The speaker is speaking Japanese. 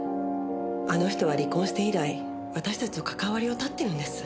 あの人は離婚して以来私たちと関わりを断ってるんです。